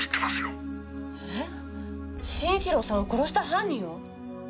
えっ慎一郎さんを殺した犯人を！？